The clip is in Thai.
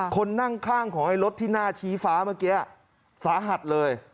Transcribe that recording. คนนั่งข้างของไอ้รถที่หน้าชี้ฟ้าเมื่อกี้สาหัสเลย